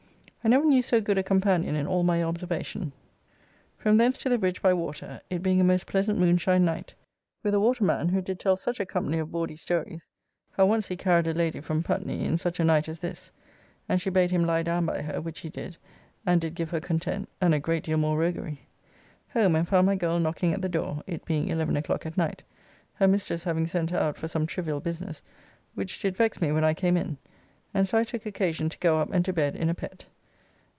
I never knew so good a companion in all my observation. From thence to the bridge by water, it being a most pleasant moonshine night, with a waterman who did tell such a company of bawdy stories, how once he carried a lady from Putney in such a night as this, and she bade him lie down by her, which he did, and did give her content, and a great deal more roguery. Home and found my girl knocking at the door (it being 11 o'clock at night), her mistress having sent her out for some trivial business, which did vex me when I came in, and so I took occasion to go up and to bed in a pet.